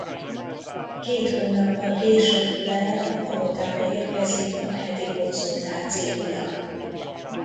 Két hónappal később Blair a palotába érkezik a heti konzultációra.